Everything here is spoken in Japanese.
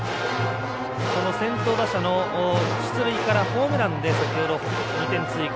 その先頭打者の出塁からホームランで先ほど２点追加。